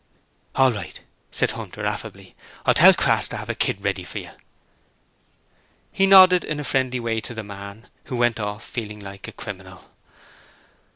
'All right,' said Hunter, affably. 'I'll tell Crass to have a kit ready for you.' He nodded in a friendly way to the man, who went off feeling like a criminal.